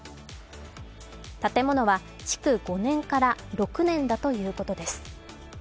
建物は築５年から６年だということです。